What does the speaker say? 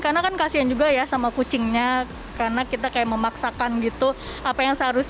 karena kan kasian juga sama kucingnya karena kita seperti memaksakan gitu apa yang seharusnya kita pantas juga bentuknya